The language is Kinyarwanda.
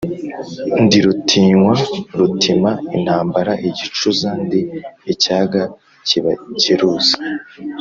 Ndi Rutinywa rutima intambara igicuza, ndi icyaga kibageruza